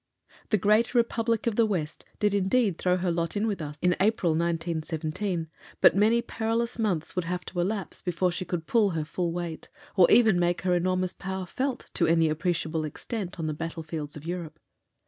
The Great Republic of the West did indeed throw in her lot with us in April, 1917, but many perilous months would have to elapse before she could pull her full weight, or even make her enormous power felt to any appreciable extent on the battlefields of Europe.